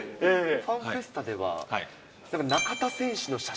ファンフェスタでは中田選手